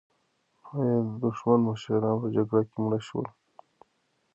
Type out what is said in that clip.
ایا دښمن مشران په جګړه کې مړه شول؟